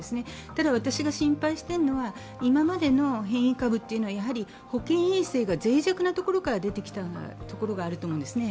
ただ、私が心配しているのは今までの変異株というのは保健衛生が脆弱なところから出てきたところがあると思うんですね。